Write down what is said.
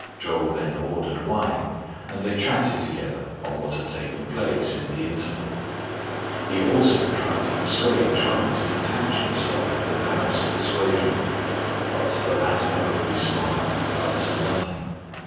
Chou then ordered wine, and they chatted together on what had taken place in the interval He also tried to per suade Ch'eng to detach himself from the Taoist persuasion, but the latter only smiled and answered nothing.